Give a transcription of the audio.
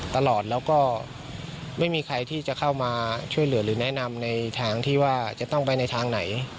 ตลอดแล้วก็ไม่มีใครที่จะเข้ามาช่วยเหลือหรือแนะนำในทางที่ว่าจะต้องไปในทางไหน